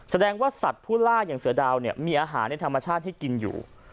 แสดงว่าสัตว์ผู้ล่าอย่างเสือดาวเนี่ยมีอาหารในธรรมชาติให้กินอยู่